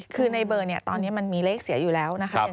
คือในเบอร์ตอนนี้มันมีเลขเสียอยู่แล้วนะคะ